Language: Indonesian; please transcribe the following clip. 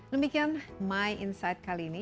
demikian my insight kali ini